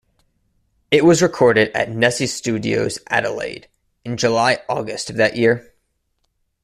It was recorded at Nesci Studios, Adelaide, in July-August of that year.